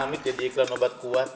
amit jadi iklan obat kuat